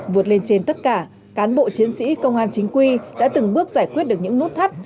vượt lên trên tất cả cán bộ chiến sĩ công an chính quy đã từng bước giải quyết được những nút thắt